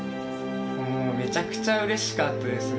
もうめちゃくちゃうれしかったですね。